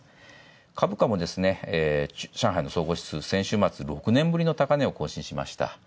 株価も上海の総合指数６年ぶりの高値を更新しました。